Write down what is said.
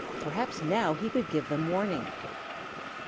Perhaps now he could give them warning.